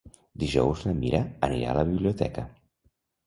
Dijous na Mira anirà a la biblioteca.